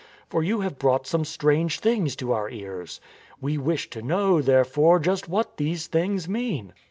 For you have brought some strange things to our ears. We wish to know, therefore, just what these things mean."